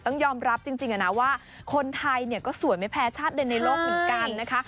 ต้องยอมรับจริงนะว่าคนไทยเนี่ยก็สวยไม่แพ้ชาติใดในโลกเหมือนกันนะคะ